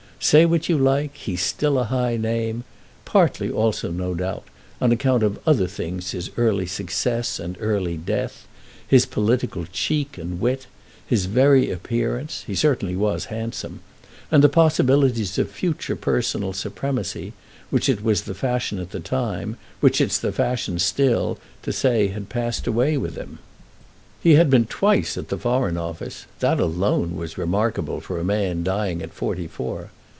Say what you like, he's still a high name; partly also, no doubt, on account of other things his early success and early death, his political 'cheek' and wit; his very appearance—he certainly was handsome—and the possibilities (of future personal supremacy) which it was the fashion at the time, which it's the fashion still, to say had passed away with him. He had been twice at the Foreign Office; that alone was remarkable for a man dying at forty four.